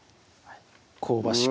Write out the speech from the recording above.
香ばしく